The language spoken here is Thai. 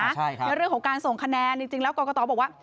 ในเรื่องของการส่งคะแนนจริงแล้วกรกตบอกว่า